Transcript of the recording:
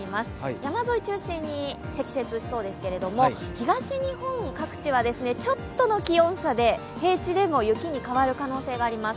山沿い中心に積雪しそうですけど東日本各地はちょっとの気温差で平地でも雪に変わる可能性があります。